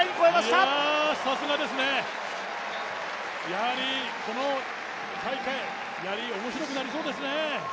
やはりこの大会、やり、おもしろくなりそうですね。